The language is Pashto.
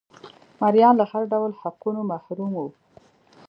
مریان له هر ډول حقونو محروم وو.